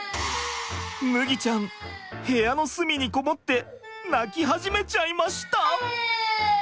麦ちゃん部屋の隅に籠もって泣き始めちゃいました。